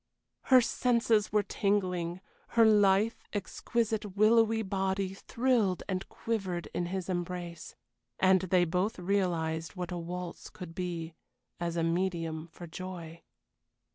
Her senses were tingling; her lithe, exquisite, willowy body thrilled and quivered in his embrace. And they both realized what a waltz could be, as a medium for joy.